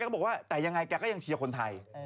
ก็บอกว่าแต่ยังไงแกก็ยังเชียร์คนไทย